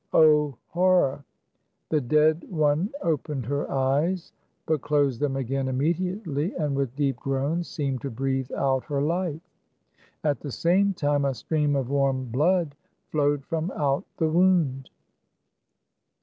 O, horror ! the dead one opened her eyes, but closed them again immediately, and with deep groans, seemed to breathe out her life. At the same time a stream of warm blood flowed from out the wound.